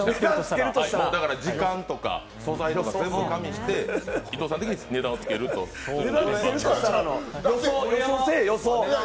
時間とか素材とか全部加味して伊藤さん的に値段つけるとしたら？